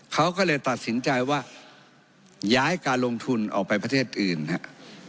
เขาก็เลยตัดสินใจว่าย้ายการลงทุนออกไปประเทศอื่นครับ